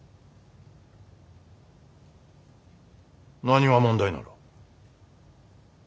何が問題なら。